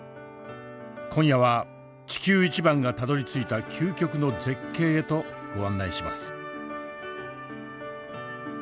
今夜は「地球イチバン」がたどりついた究極の絶景へとご案内します。